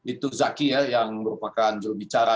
itu zaki ya yang merupakan jurubicara